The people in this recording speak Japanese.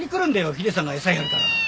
ヒデさんが餌やるから。